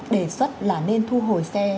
đề xuất là nên thu hồi xe